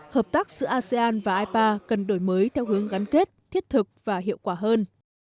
hợp tác giữa asean và ipa cần đổi mới theo hướng gắn kết thiết thực và hiệu quả hơn